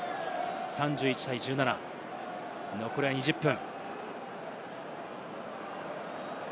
３１対１７、残りは２０分。